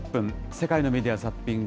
世界のメディア・ザッピング。